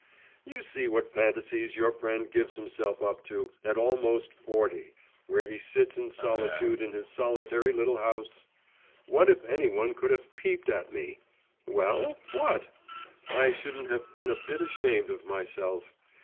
… You see what fantasies your friend gives himself up to, at almost forty, when he sits in solitude in his solitary little house! What if any one could have peeped at me! Well, what? I shouldn't have been a bit ashamed of myself.